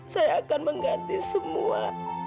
saya akan mengganti semua